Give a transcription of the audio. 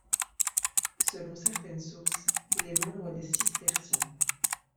Selon certaines sources, il est membre des cisterciens.